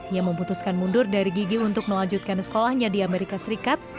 ia memutuskan mundur dari gigi untuk melanjutkan sekolahnya di amerika serikat